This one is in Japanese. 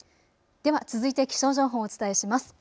では続いて気象情報をお伝えします。